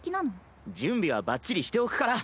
準備はばっちりしておくから。